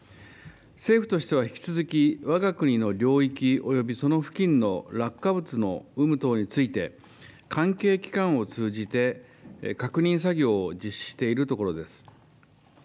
政府としては引き続き、わが国の領域およびその付近の落下物の有無等について、関係機関を通じて確認作業を実施しているところです。